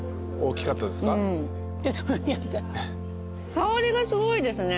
香りがすごいですね。